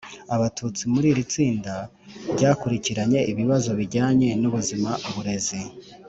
Abatusti muri iri tsinda ryakurikiranye ibibazo bijyanye n ubuzima uburezi